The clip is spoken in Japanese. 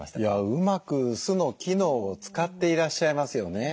うまく酢の機能を使っていらっしゃいますよね。